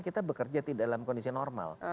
kita bekerja tidak dalam kondisi normal